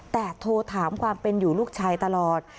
แต่โทรถามความเป็นอยู่ลูกชายตลอด